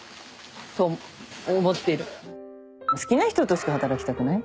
好きな人としか働きたくない。